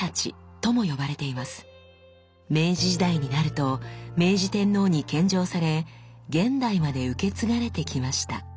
明治時代になると明治天皇に献上され現代まで受け継がれてきました。